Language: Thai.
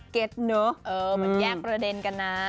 เก็ตเนอะเหมือนแยกประเด็นกันนะ